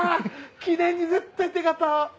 記念に絶対手形！